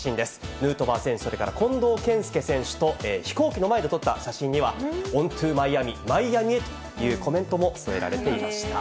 ヌートバー選手、それから近藤健介選手と飛行機の前で撮った写真には、オン・トゥー・マイアミ、マイアミへ！というコメントも添えられていました。